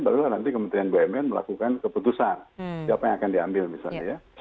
barulah nanti kementerian bumn melakukan keputusan siapa yang akan diambil misalnya ya